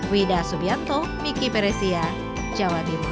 wida subianto miki peresia jawa timur